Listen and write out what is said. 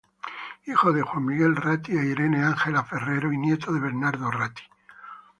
Hijo de Juan Miguel Ratti e Irene Ángela Ferrero y nieto de Bernardo Ratti.